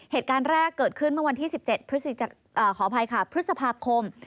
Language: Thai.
เหตุการณ์แรกเกิดขึ้นเมื่อวันที่๑๗พฤษภาคม